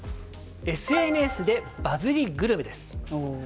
ＳＮＳでバズりグルメです。